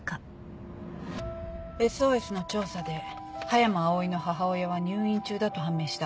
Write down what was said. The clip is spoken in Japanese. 「ＳＯＳ」の調査で葉山葵の母親は入院中だと判明した。